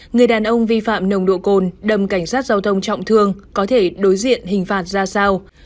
người đàn ông vi phạm nồng độ cồn đầm cảnh sát giao thông trọng thương có thể đối diện hình phạt ra sao